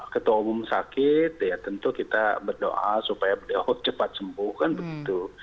ketua umum sakit ya tentu kita berdoa supaya berdoa cepat sembuhkan begitu